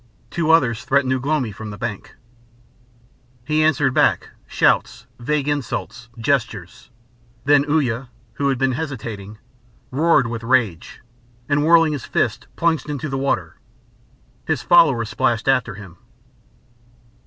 Two others threatened Ugh lomi from the bank. He answered back, shouts, vague insults, gestures. Then Uya, who had been hesitating, roared with rage, and whirling his fists plunged into the water. His followers splashed after him.